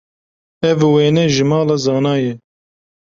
Ev wêne ji mala Zana ye.